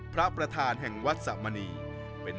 พระพุทธพิบูรณ์ท่านาภิรม